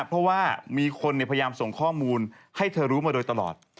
เพราะว่ามีคนพยายามส่งข้อมูลให้เธอรู้มาโดยตลอด